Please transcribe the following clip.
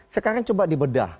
sekarang coba dibedah